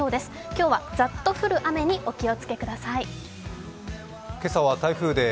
今日はザッと降る雨にお気をつけください。